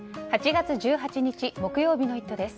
８月１８日、木曜日の「イット！」です。